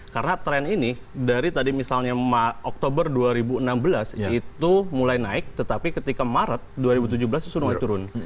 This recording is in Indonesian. karena tren ini dari tadi misalnya oktober dua ribu enam belas itu mulai naik tetapi ketika maret dua ribu tujuh belas itu turun